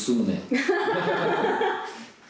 ハハハハ！